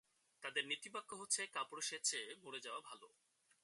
তাদের নীতিবাক্য হচ্ছে: কাপুরুষের চেয়ে মরে যাওয়া ভালো।